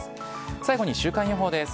最後に週間予報です。